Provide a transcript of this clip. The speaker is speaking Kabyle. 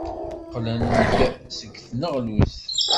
Qqlen-d seg tneɣlust.